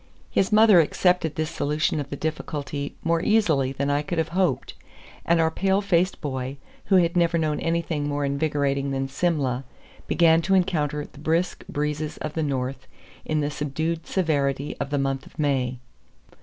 His mother accepted this solution of the difficulty more easily than I could have hoped; and our pale faced boy, who had never known anything more invigorating than Simla, began to encounter the brisk breezes of the North in the subdued severity of the month of May.